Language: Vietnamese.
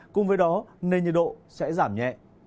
cùng với đó nền nhiệt độ sẽ giảm nhẹ